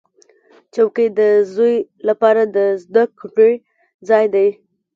چوکۍ د زوی لپاره د زده کړې ځای دی.